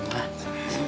masih banyak gitu